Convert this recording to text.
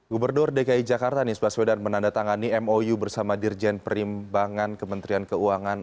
gubernur dki jakarta nisbah swedan menandatangani mou bersama dirjen perimbangan kementerian keuangan